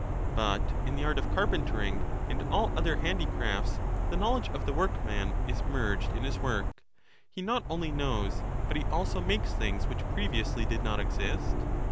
But in the art of carpentering and all other handicrafts, the knowledge of the workman is merged in his work ; he not only knows, but he also makes things which previously did not exist.